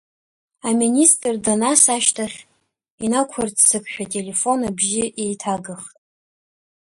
Аминистр данас ашьҭахь, инақәырццакшәа ателефон абжьы еиҭагахт.